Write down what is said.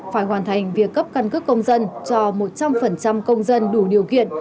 phải hoàn thành việc cấp căn cước công dân cho một trăm linh công dân đủ điều kiện